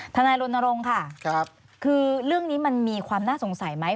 นายรณรงค์ค่ะคือเรื่องนี้มันมีความน่าสงสัยไหม